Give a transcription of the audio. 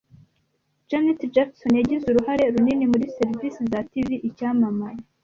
Janet Jackson yagize uruhare runini muri serivise za TV Icyamamare